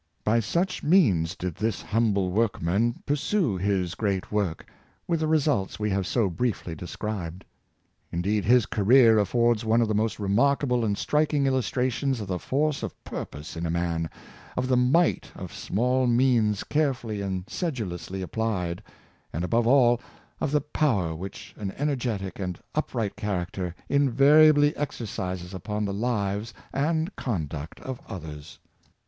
By such means did this humble workman pursue his great work, with the results we have so briefly described. Indeed, his career affords one of the most remarkable and striking illustrations of the force of purpose in a man, of the might of small means carefully and sedu 394 Energy in Money mahing, lously applied, and, above all, of the power which an energetic and upright character invariably exercises upon the lives and conduct of others.